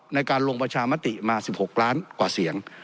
ในการลงประชามติมา๑๖ล้านกว่าเสียง